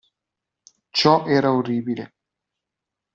Ciò era orribile.